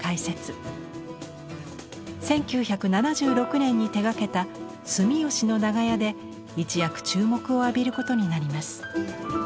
１９７６年に手がけた「住吉の長屋」で一躍注目を浴びることになります。